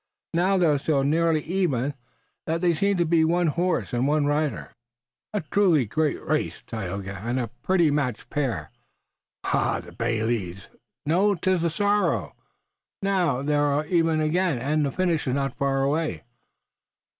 Now they are so nearly even that they seem to be but one horse and one rider." "A truly great race, Tayoga, and a prettily matched pair! Ah, the bay leads! No, 'tis the sorrel! Now, they are even again, and the finish is not far away!"